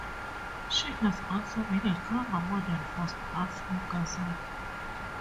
She has also been a cover model for "Stuff" magazine.